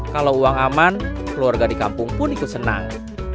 kalau uang aman keluarga di kampung pun ikut senang